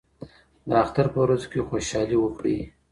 د اختر په ورځو کې خوشحالي وکړئ.